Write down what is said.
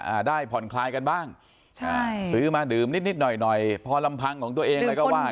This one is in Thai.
อ่าได้ผ่อนคลายกันบ้างใช่ซื้อมาดื่มนิดนิดหน่อยหน่อยพอลำพังของตัวเองอะไรก็ว่า